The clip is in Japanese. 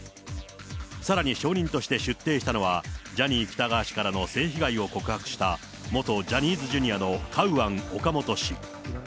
さらに証人として出廷したのは、ジャニー喜多川氏からの性被害を告白した元ジャニーズＪｒ．のカウアン・オカモト氏。